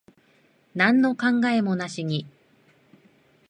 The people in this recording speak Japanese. なんの考えもなしに。